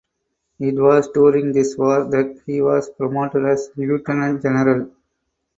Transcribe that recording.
It was during this war that he was promoted as lieutenant general.